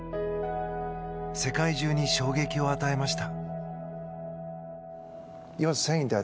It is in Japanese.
世界中に衝撃を与えました。